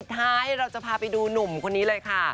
ท้ายเราจะพาไปดูหนุ่มคนนี้เลยค่ะ